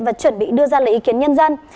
và chuẩn bị đưa ra lời ý kiến nhân dân